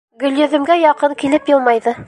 Гөлйөҙөмгә яҡын килеп йылмайҙы.